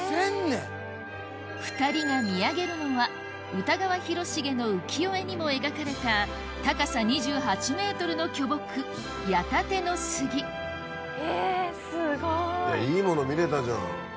２人が見上げるのは歌川広重の浮世絵にも描かれた巨木いいもの見れたじゃん。